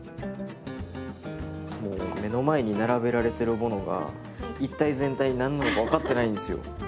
もう目の前に並べられてるものが一体全体何なのか分かってないんですよ。